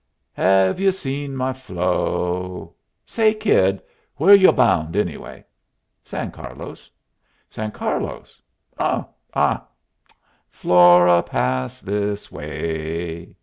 "'Ha ve you seen my Flo' Say, kid, where y'u bound, anyway?" "San Carlos." "San Carlos? Oh. Ah. 'Flora pass this way?'"